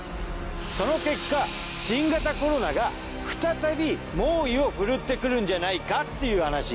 その結果新型コロナが再び猛威をふるってくるんじゃないかっていう話。